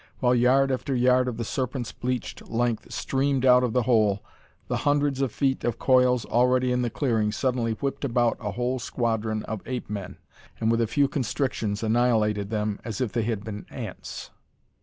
While yard after yard of the Serpent's bleached length streamed out of the hole, the hundreds of feet of coils already in the clearing suddenly whipped about a whole squadron of ape men, and with a few constrictions annihilated them as if they had been ants.